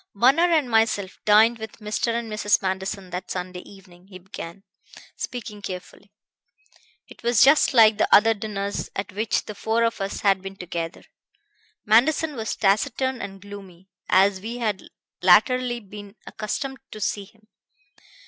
"Bunner and myself dined with Mr. and Mrs. Manderson that Sunday evening," he began, speaking carefully. "It was just like other dinners at which the four of us had been together. Manderson was taciturn and gloomy, as we had latterly been accustomed to see him.